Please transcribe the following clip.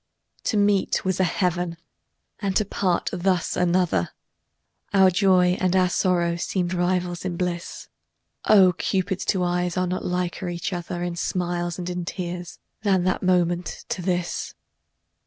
To meet was a heaven and to part thus another, Our joy and our sorrow seemed rivals in bliss; Oh! Cupid's two eyes are not liker each other In smiles and in tears than that moment to this.